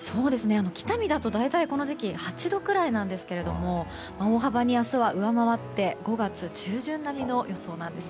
北見だと大体この時期８度くらいなんですけど大幅に明日は上回って５月中旬並みの予想なんです。